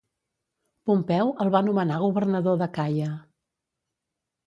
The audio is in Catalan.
Pompeu el va nomenar governador d'Acaia.